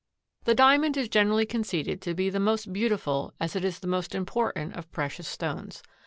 The Diamond is generally conceded to be the most beautiful as it is the most important of precious stones.